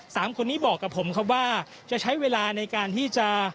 สามคนนี้บอกกับผมครับว่าจะใช้เวลาในการที่จะ